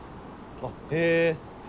あっへぇ。